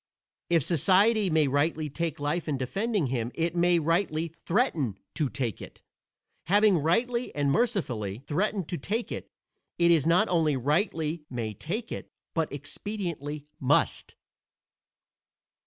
If society may rightly take life in defending him it may rightly threaten to take it. Having rightly and mercifully threatened to take it, it not only rightly may take it, but expediently must.